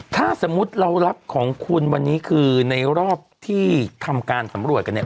ถ้าสมมุติเรารับของคุณวันนี้คือในรอบที่ทำการสำรวจกันเนี่ย